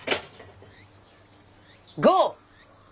ゴー！